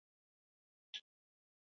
kwa anteaters kwa poison sumu vyura Kuna